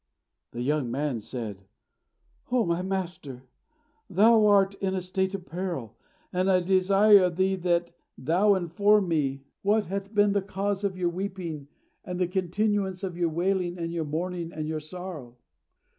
And the young man said, "O my master, thou art in a state of peril, and I desire of thee that thou inform me what hath been the cause of your weeping, and the continuance of your wailing and your mourning and your sorrow."